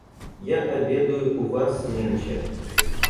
Я обедаю у вас нынче.